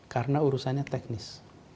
karena urusannya teknis